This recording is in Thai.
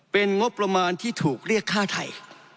เป็นงบประมาณที่ถูกเรียกค่าไทย